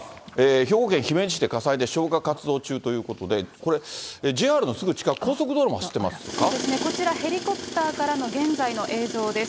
兵庫県姫路市で火災で、消火活動中ということで、これ、ＪＲのすぐ近く、こちら、ヘリコプターからの現在の映像です。